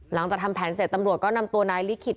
หลังจากทำแผนเสร็จตำรวจก็นำตัวนายลิขิต